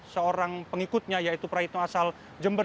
seorang pengikutnya yaitu praetno asal jember